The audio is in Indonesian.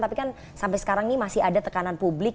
tapi kan sampai sekarang ini masih ada tekanan publik